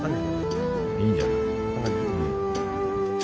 いいんじゃない？